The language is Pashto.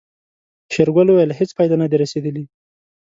شېرګل وويل هيڅ پای ته نه دي رسېدلي.